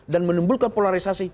dan menimbulkan polarisasi